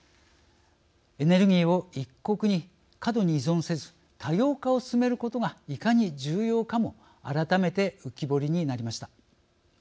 エネルギーを１国に過度に依存せず多様化を進めることがいかに重要かも改めて浮き彫りになりました。